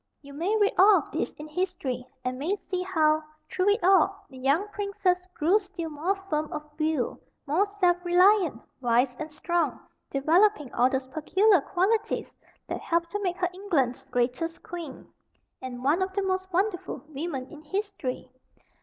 You may read of all this in history, and may see how, through it all, the young princess grew still more firm of will, more self reliant, wise, and strong, developing all those peculiar qualities that helped to make her England's greatest queen, and one of the most wonderful women in history.